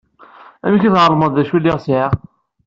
Amek tɛelmeḍ d acu lliɣ sɛiɣ?